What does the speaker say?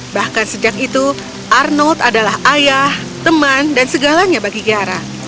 bahkan sejak itu arnold adalah ayah teman dan segalanya bagi kiara